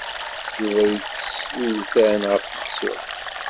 Yuba ikess iwtan ɣef weksum.